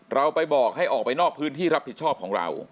เราไปบอกให้ออกไปนอกพื้นที่รับผิดชอบของเรา